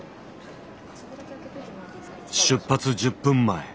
出発１０分前。